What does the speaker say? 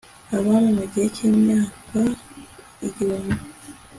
abami mu gihe cy imyaka igihumbi